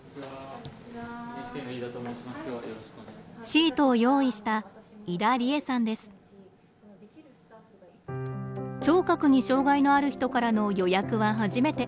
シートを用意した聴覚に障害のある人からの予約は初めて。